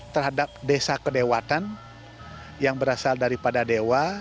terhadap desa kedewatan yang berasal daripada dewa